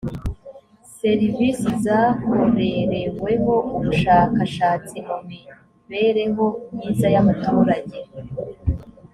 serivisi zakorereweho ubushakashatsi mu mibereho myiza y’ abaturage